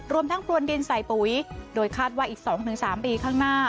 รวมทั้งปรวนดินใส่ปุ๋ยโดยคาดว่าอีก๒๓ปีข้างหน้า